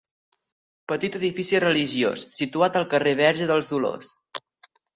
Petit edifici religiós, situat al carrer Verge dels Dolors.